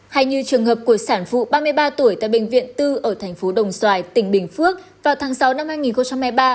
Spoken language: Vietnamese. hay như trường hợp của sản phụ ba mươi ba tuổi tại bệnh viện bốn ở tp đồng xoài tỉnh bình phước vào tháng sáu năm hai nghìn một mươi ba